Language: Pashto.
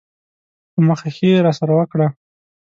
په مخه ښې یې راسره وکړه.